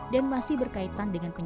dan memakai tahap kemampuan